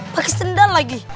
pake sendal lagi